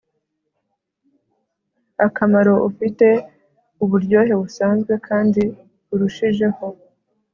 akamaro ufite uburyohe busanzwe kandi urushijeho